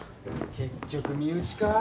結局身内か。